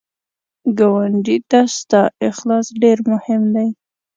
ګاونډي ته ستا اخلاص ډېر مهم دی